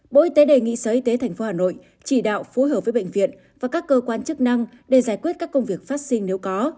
bộ y tế đề nghị sở y tế tp hà nội chỉ đạo phối hợp với bệnh viện và các cơ quan chức năng để giải quyết các công việc phát sinh nếu có